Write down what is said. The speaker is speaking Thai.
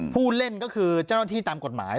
ผู้เล่นก็คือเจ้าหน้าที่ตามกฎหมาย